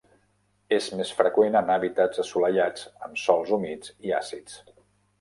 És més freqüent en hàbitats assolellats amb sòls humits i àcids.